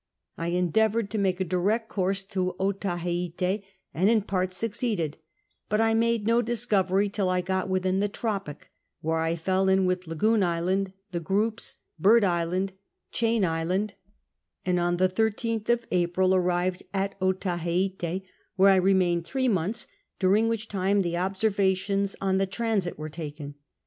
1 endeavoured to make a direct course to Otaheite, and in part succeeded ; but I, made no discovery till 1 got within the tropic, where I fell in witli Lagoon Island, The Groups, Bird Island, Chain Island, and on the 13tli of April arrived at Otaheite, where I remained three months, during which time the observations on the transit were taken.